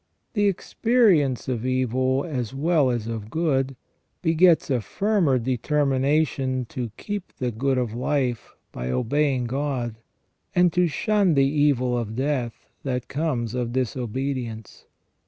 The experience of evil as well as of good begets a firmer deter WlfY MAN WAS NOT CREATED PERFECT 273 mination to keep the good of life by obeying God, and to shun the evil of death that comes of disobedience.